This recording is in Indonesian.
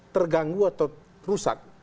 terganggu atau rusak